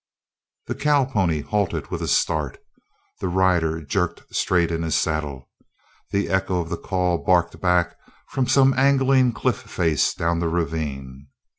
The cow pony halted with a start; the rider jerked straight in his saddle; the echo of the call barked back from some angling cliff face down the ravine.